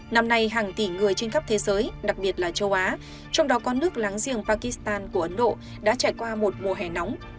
năm nay hàng tỷ người trên khắp thế giới đặc biệt là châu á trong đó có nước láng giềng pakistan của ấn độ đã trải qua một mùa hè nóng